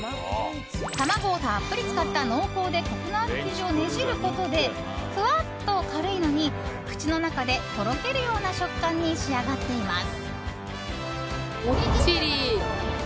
卵をたっぷり使った、濃厚でコクのある生地をねじることでふわっと軽いのに口の中でとろけるような食感に仕上がっています。